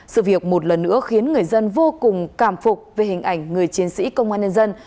sự việc một lần nữa khiến người dân vô cùng cảm phục về hình ảnh người chiến sĩ công an nhân dân